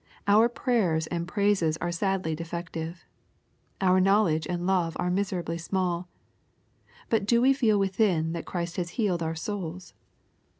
Our prayers and praises are sadly defective. Our knowledge and love are mis« erably small. But do we feel within that Christ has healed our souls